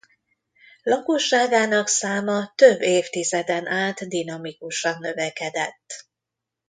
Lakosságának száma több évtizeden át dinamikusan növekedett.